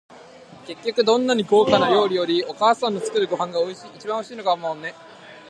結局、どんなに高価な料理より、お母さんの作るご飯が一番おいしいのかもね。